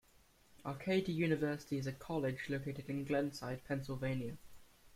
Arcadia University is a college located in Glenside, Pennsylvania.